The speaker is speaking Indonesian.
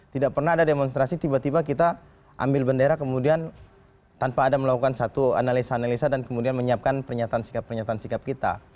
tidak pernah ada demonstrasi tiba tiba kita ambil bendera kemudian tanpa ada melakukan satu analisa analisa dan kemudian menyiapkan pernyataan sikap pernyataan sikap kita